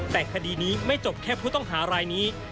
แต่คดีนี้ไม่จบแค่ผู้ต้องหารายนี้